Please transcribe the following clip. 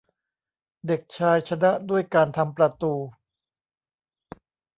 เด็กชายชนะด้วยการทำประตู